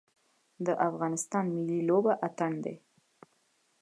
د افغانستان ملي لوبه اتن دی